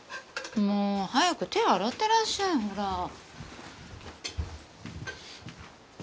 もう早く手洗ってらっしゃいほら。